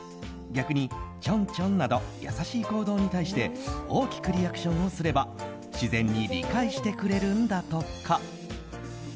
逆にチョンチョンなど優しい行動に対して大きくリアクションをすれば自然に理解してくれるんだとか。